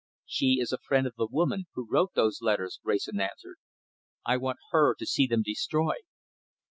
"She is a friend of the woman who wrote those letters," Wrayson answered. "I want her to see them destroyed."